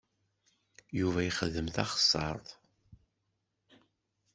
Yuba yexdem taxeṣṣaṛt.